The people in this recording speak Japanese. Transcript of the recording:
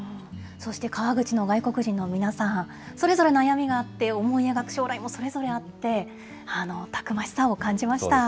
そして川口の外国人の皆さん、それぞれ悩みがあって、思い描く将来もそれぞれあって、たくましさを感じました。